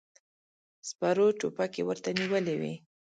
سپرو ټوپکې ورته نيولې وې.